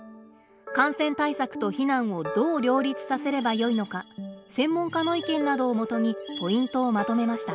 感染対策と避難をどう両立させればよいのか専門家の意見などをもとにポイントをまとめました。